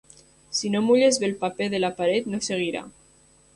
Si no mulles bé el paper de la paret, no seguirà.